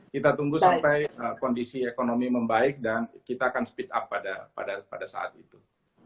kita tunggu sampai kondisi ekonomi membaik dan kita akan speed up pada saat itu